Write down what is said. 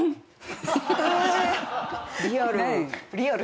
リアル。